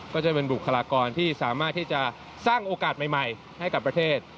ก็จะเป็นบุคลากรที่สามารถที่จะสร้างโอกาสใหม่ให้กับประเทศ